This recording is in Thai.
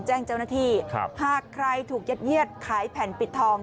แจ้งเจ้าหน้าที่หากใครถูกยัดเยียดขายแผ่นปิดทอง